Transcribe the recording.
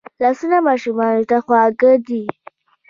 لاسونه ماشومانو ته خواږه دي